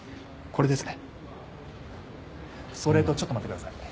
これです。